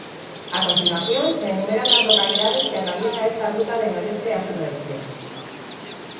A continuación se enumeran las localidades que atraviesa esta ruta de noreste a sudoeste.